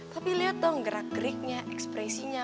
tapi lihat dong gerak geriknya ekspresinya